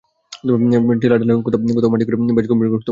Tiller ঢালে কোথাও কোথাও মাটি খুঁড়ে বেশ গভীর গর্ত বানানো হয়েছে।